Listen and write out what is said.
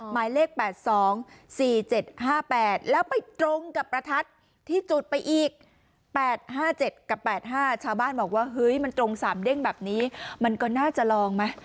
หมายเลข๘๒๔๗๕๘แล้วไปตรงกับประทัดที่จุดไปอีก๘๕๗กับ๘๕ชาวบ้านบอกว่าเฮ้ยมันตรง๓เด้งแบบนี้มันก็น่าจะลองไหม